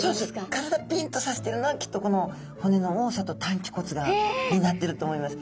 体ピンッとさせてるのはきっとこの骨の多さと担鰭骨がになってると思います。